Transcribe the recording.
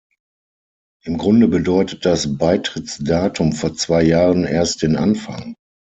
Im Grunde bedeutet das Beitrittsdatum vor zwei Jahren erst den Anfang.